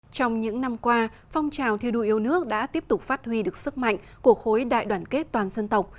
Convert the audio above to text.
trong những năm qua phong trào thi đua yêu nước đã tiếp tục phát huy được sức mạnh của khối đại đoàn kết toàn dân tộc